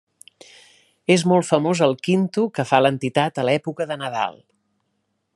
És molt famós el Quinto que fa l'entitat a l'època de Nadal.